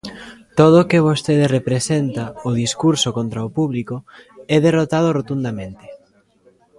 "Todo o que vostede representa, o discurso contra o público, é derrotado rotundamente".